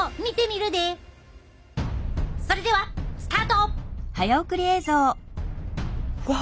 それではスタート！わ